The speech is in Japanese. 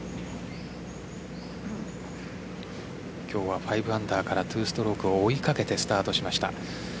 今日は５アンダーから２ストロークを追いかけてスタートしました。